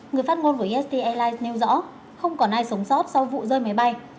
người phát ngôn của iet airlines nêu rõ không còn ai sống sót sau vụ rơi máy bay